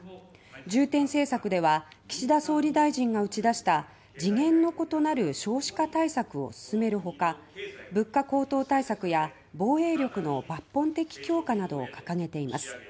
重点政策では岸田総理大臣が打ち出した「次元の異なる少子化対策」を進める他物価高騰対策や防衛力の抜本的強化などを掲げています。